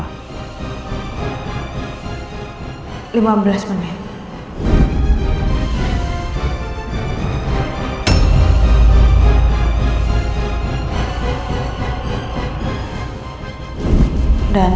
dan ketika saya udah sampai sana roy sudah terbunuh